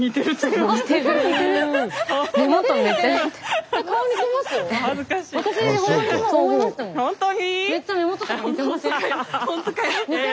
めっちゃ目元とか似てません？